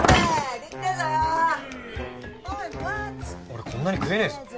俺こんなに食えねえぞ。